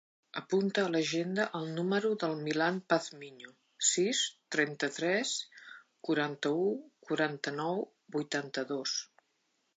Apunta a l'agenda el número del Milan Pazmiño: sis, trenta-tres, quaranta-u, quaranta-nou, vuitanta-dos.